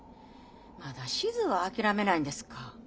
まだ志津を諦めないんですか。